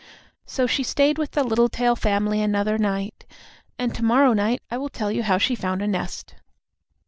So she stayed with the Littletail family another night, and to morrow night I will tell you how she found a nest.